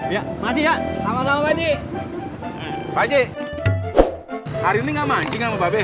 ya masih ya sama sama baji baji hari ini enggak magi ngobrol gue lagi musuhan